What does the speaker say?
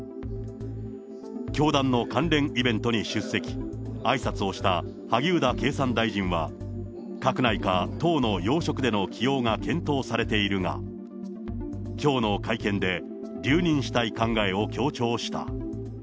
教団の関連イベントに出席、あいさつをした萩生田経産大臣は、閣内か党の要職での起用が検討されているが、きょうの会見で、留任したい考えを強調した。